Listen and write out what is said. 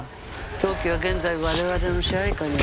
当機は現在我々の支配下にある。